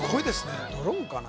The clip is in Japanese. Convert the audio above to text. ドローンかな